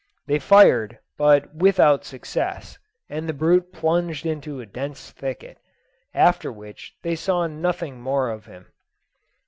They fired, but without success, and the brute plunged into a dense thicket; after which they saw nothing more of him.